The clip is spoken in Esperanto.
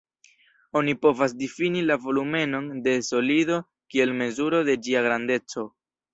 Oni povas difini la volumenon de solido kiel mezuro de ĝia grandeco.